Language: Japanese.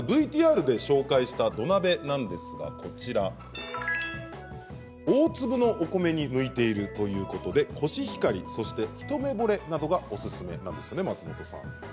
ＶＴＲでご紹介した土鍋なんですが大粒のお米に向いているということで、コシヒカリひとめぼれなどがおすすめなんですよね。